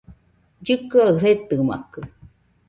Llɨkɨaɨ setɨmakɨ